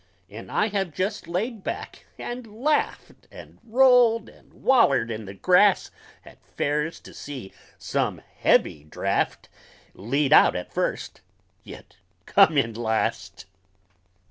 And I have jest laid back and laughed, And rolled and wallered in the grass At fairs, to see some heavy draft Lead out at first, yit come in last!